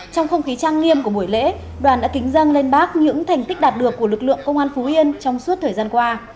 trong không khí trang nghiêm của buổi lễ đoàn đã kính dâng lên bác những thành tích đạt được của lực lượng công an phú yên trong suốt thời gian qua